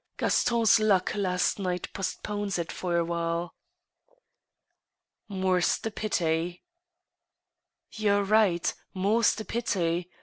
Gaston's luck last night postpones it for a while." " More's the pity." You are right ; more's the pity.